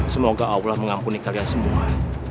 semoga allah mengampuni kalian semua